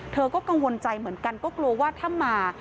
เธอก็กังวลใจเหมือนกันก็กลัวว่าถ้ามา